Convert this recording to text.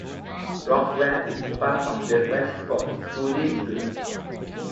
Rockwell is part of the West Fork School District.